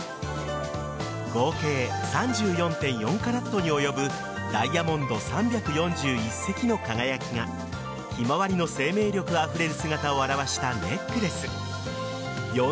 合計３４．４カラットに及ぶダイヤモンド３４１石の輝きがひまわりの生命力あふれる姿を表したネックレス。